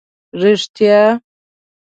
رښتیا.